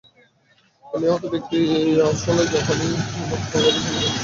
নিহত ব্যক্তি আসল জাপানি, নাকি বাংলাদেশে জন্মগ্রহণকারী জাপানি, সেই বিতর্ক এখানে অপ্রাসঙ্গিক।